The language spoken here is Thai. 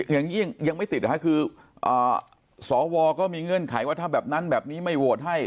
อย่างยิ่งยังไม่ติดนะคะคือสวก็มีเงื่อนไขว่าถ้าแบบนั้นแบบนี้ไม่โหวตให้